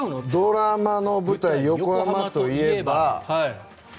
ドラマの舞台横浜といえば。